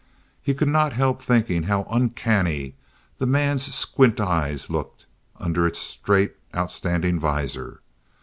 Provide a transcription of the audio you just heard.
He could not help thinking how uncanny the man's squint eyes looked under its straight outstanding visor.